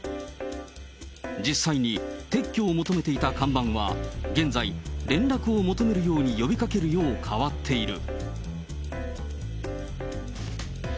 実際に撤去を求めていた看板は現在、連絡を求めるように呼びかけるよう変わっている。